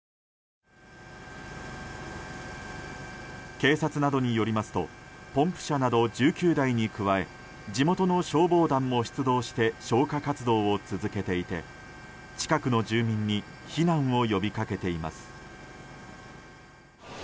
警察などによりますとポンプ車など１９台に加え地元の消防団も出動して消火活動を続けていて近くの住民に避難を呼びかけています。